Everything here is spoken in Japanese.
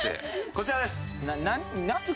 こちらです。